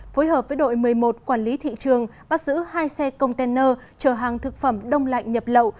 phối hợp với đội một mươi một quản lý thị trường bắt giữ hai xe container chở hàng thực phẩm đông lạnh nhập lậu